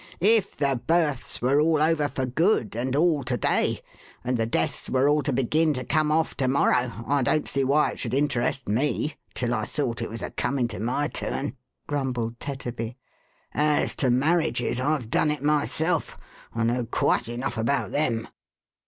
" If the births were all over for good, and all to day : and the deaths were all to begin to come off to morrow ; I don't see why it should interest me, till I thought it was a coming to my turn," grumbled Tetterby. "As to mar riages, I've done it myself. I know quite enough about them.""